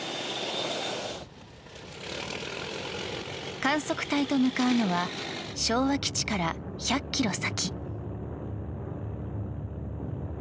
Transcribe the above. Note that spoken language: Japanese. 観測隊と向かうのは昭和基地から１００ｋｍ先。